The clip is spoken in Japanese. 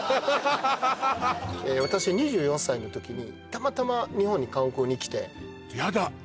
私２４歳の時にたまたま日本に観光に来てヤダ！